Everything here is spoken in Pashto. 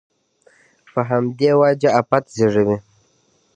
په همدې وجه افت زېږوي.